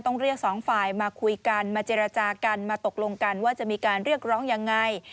ต้องเรียกสองฝ่ายมาคุยกันมาเจรจากันมาตกลงกันว่าจะมีการเรียกร้องยังไง